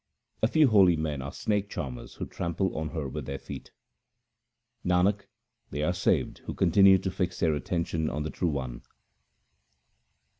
A few holy men are snake charmers who trample on her with their feet. Nanak, they are saved who continue to fix their attention on the True One.